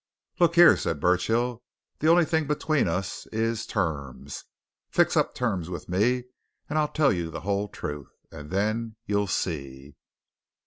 "Look here!" said Burchill. "The only thing between us is terms! Fix up terms with me, and I'll tell you the whole truth. And then you'll see!"